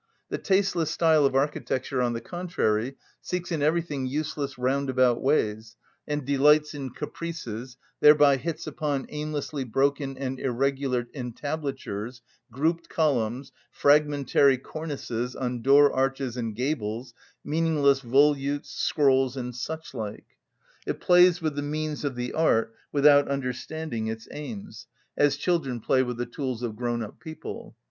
The tasteless style of architecture, on the contrary, seeks in everything useless roundabout ways, and delights in caprices, thereby hits upon aimlessly broken and irregular entablatures, grouped columns, fragmentary cornices on door arches and gables, meaningless volutes, scrolls, and such like. It plays with the means of the art without understanding its aims, as children play with the tools of grown‐up people.